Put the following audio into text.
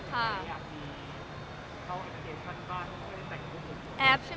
อาจจะมีเหตุว่าแต่งแพลคเทชั่น